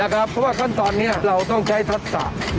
เพราะว่าขั้นตอนนี้เราต้องใช้ทักษะ